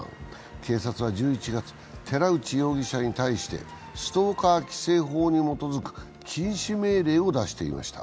警察は１１月、寺内容疑者に対してストーカー規制法に基づく禁止命令を出していました。